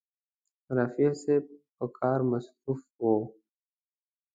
رفیع صاحب په کار مصروف و.